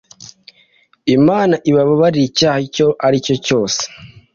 imana ibabarira icyaha icyo ari cyo cyose